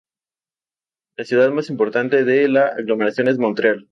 La ciudad más importante de la aglomeración es Montreal.